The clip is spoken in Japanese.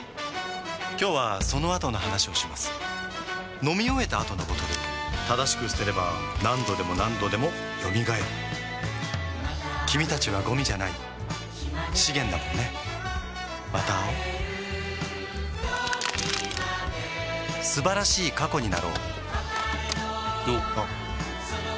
今日はそのあとの話をします飲み終えた後のボトル正しく捨てれば何度でも何度でも蘇る君たちはゴミじゃない資源だもんねまた会おう素晴らしい過去になろうおっおっ